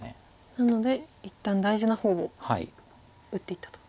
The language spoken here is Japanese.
なので一旦大事な方を打っていったと。